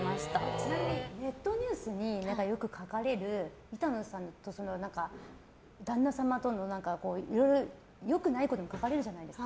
ちなみにネットニュースによく書かれる板野さんと、旦那様とのいろいろ良くないことも書かれるじゃないですか。